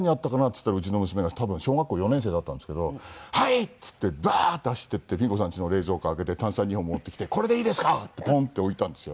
っつったらうちの娘が多分小学校４年生だったんですけど「はい！」っつってバーッと走っていってピン子さんちの冷蔵庫を開けて炭酸２本持ってきて「これでいいですか？」ってポンって置いたんですよ。